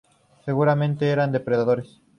Seguramente eran depredadores.